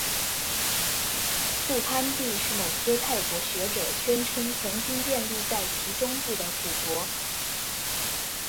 素攀地是某些泰国学者宣称曾经建立在其中部的古国。